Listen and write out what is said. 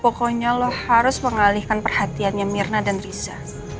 pokoknya lo harus mengalihkan perhatiannya mirna dan riza